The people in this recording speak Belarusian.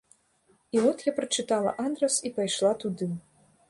І от я прачытала адрас і пайшла туды.